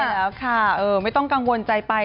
ใช่แล้วค่ะไม่ต้องกังวลใจไป